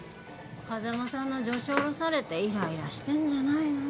風間さんの助手降ろされてイライラしてんじゃないの？